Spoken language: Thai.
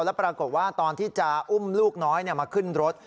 แล้วปรากฏว่าตอนที่จะอุ้มลูกน้อยมาขึ้นรถ